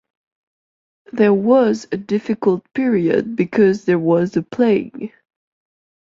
There was a difficult period because there was the plague.